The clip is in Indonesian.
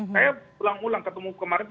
saya ulang ulang ketemu kemarin